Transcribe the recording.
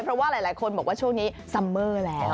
เพราะว่าหลายคนบอกว่าช่วงนี้ซัมเมอร์แล้ว